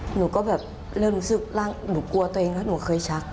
หนูก็แบบเริ่มรู้สึกหนูกลัวตัวเองแล้วหนูเคยชัก